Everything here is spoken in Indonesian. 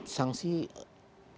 sanksi tidak begitu